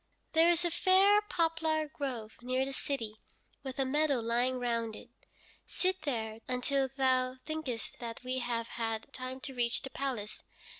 There is a fair poplar grove near the city, with a meadow lying round it. Sit there until thou thinkest that we have had time to reach the palace.